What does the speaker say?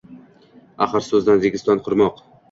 Аhir soʼzdan Registon qurmoq